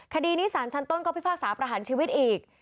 คดีนี้สารชั้นต้นก็พิพากษาประหารชีวิตอีก